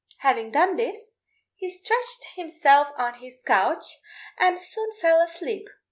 Having done this, he stretched himself on his couch and soon fell asleep.